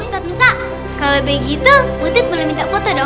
ustadz musa kalau begitu butik boleh minta foto dong